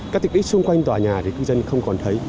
các tiện ích xung quanh tòa nhà thì cư dân không còn thấy